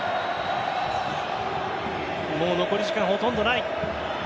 もう残り時間ほとんどない。